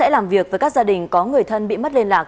làm việc với các gia đình có người thân bị mất liên lạc